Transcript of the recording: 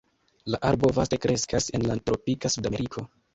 La arbo vaste kreskas en la tropika Sudameriko.